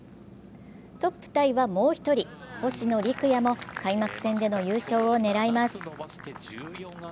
トップタイはもう一人星野陸也も開幕戦での優勝を狙います。